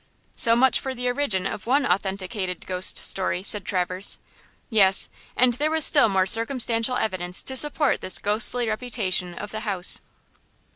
"So much for the origin of one authenticated ghost story," said Traverse. "Yes, and there was still more circumstantial evidence to support this ghostly reputation of the house.